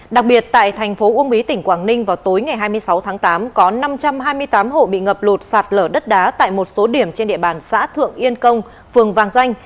đặc biệt tại thành phố uông bí tỉnh quảng ninh vào tối ngày hai mươi sáu tháng tám có năm trăm hai mươi tám hộ bị ngập lụt sạt lở đất đá tại một số điểm trên địa bàn xã thượng yên công phường vàng danh